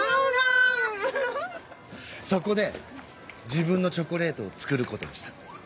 そこで自分のチョコレートを作ることにした。